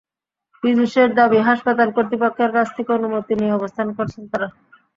পীযূষের দাবি, হাসপাতাল কর্তৃপক্ষের কাছ থেকে অনুমতি নিয়ে অবস্থান করছেন তাঁরা।